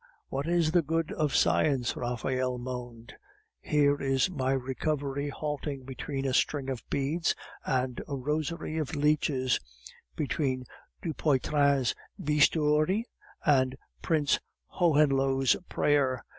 "What is the good of science?" Raphael moaned. "Here is my recovery halting between a string of beads and a rosary of leeches, between Dupuytren's bistoury and Prince Hohenlohe's prayer.